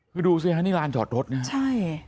คือดูสิฮะนี่ร้านจอดทดนะ